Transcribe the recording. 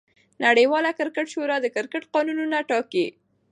نړۍواله کرکټ شورا د کرکټ قانونونه ټاکي.